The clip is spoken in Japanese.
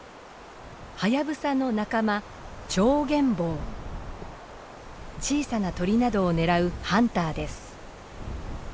ハヤブサの仲間小さな鳥などを狙うハンターです。